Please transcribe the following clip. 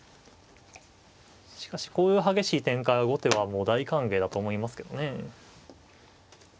しかしこういう激しい展開は後手はもう大歓迎だと思いますけどね。